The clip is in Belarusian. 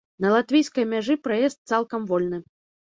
На латвійскай мяжы праезд цалкам вольны.